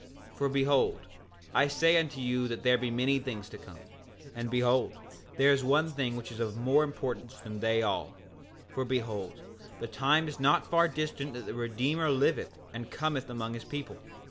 7:7 For behold, I say unto you there be many things to come; and behold, there is one thing which is of more importance than they all—for behold, the time is not far distant that the Redeemer liveth and cometh among his people.